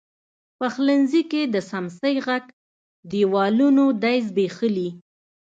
پخلنځي کې د څمڅۍ ږغ، دیوالونو دی زبیښلي